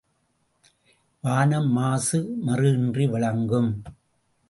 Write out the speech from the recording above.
வானம் மாசு மறு இன்றி விளங்கும்.